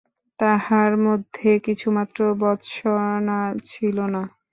তাহার মধ্যে কিছুমাত্র ভর্ৎসনা ছিল না।